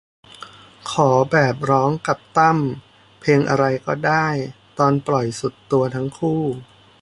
ขอแบบร้องกับตั้ม เพลงอะไรก็ได้ตอนปล่อยสุดตัวทั้งคู่